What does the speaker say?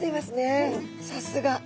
さすが。